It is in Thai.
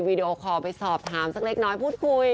วีดีโอคอลไปสอบถามสักเล็กน้อยพูดคุย